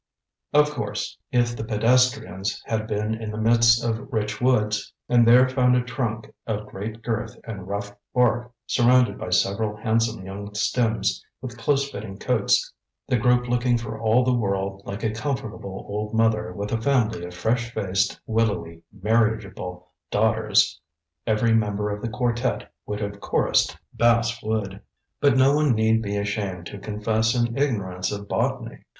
Of course, if the pedestrians had been in the midst of rich woods and there found a trunk of great girth and rough bark, surrounded by several handsome young stems with close fitting coats, the group looking for all the world like a comfortable old mother with a family of fresh faced, willowy, marriageable daughters, every member of the quartet would have chorused, bass wood. But no one need be ashamed to confess an ignorance of botany.